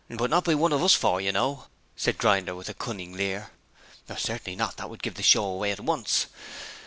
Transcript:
'But not by one of us four, you know,' said Grinder with a cunning leer. 'Certainly not; that would give the show away at once.